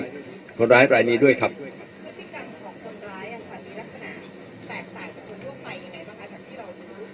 คนร้ายรายนี้ด้วยครับคนร้ายอันตรายนี้ลักษณะแตกต่างจากคนทั่วไปอย่างไรบ้างครับ